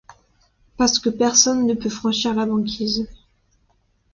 Parce que personne ne peut franchir la banquise.